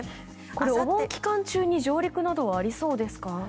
お盆期間中に上陸などありそうですか？